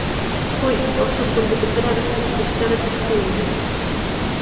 — Ҡуй, ошо күлде бөтөрәбеҙ тип, тештәре төштө инде.